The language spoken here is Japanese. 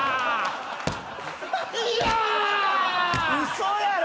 嘘やろ！？